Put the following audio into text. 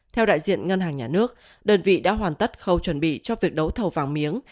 theo đại diện ngân hàng nhà nước đơn vị đã hoàn tất khâu chuẩn bị cho việc đấu thầu vàng miếng